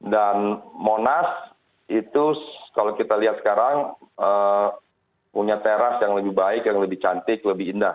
dan monas itu kalau kita lihat sekarang punya teras yang lebih baik yang lebih cantik lebih indah